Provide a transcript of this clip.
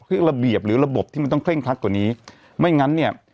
คือระเบียบหรือระบบที่มันต้องเร่งครัดกว่านี้ไม่งั้นเนี่ย